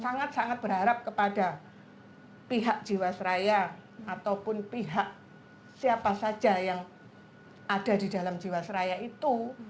sangat sangat berharap kepada pihak jiwasraya ataupun pihak siapa saja yang ada di dalam jiwasraya itu